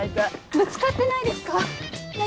ぶつかってないですか？